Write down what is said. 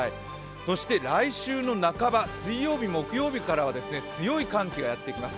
そして来週の半ば、水曜日、木曜日からは強い寒気がやってきます。